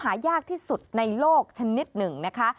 หายากที่สุดในโลกชนิดหนึ่งนะคะ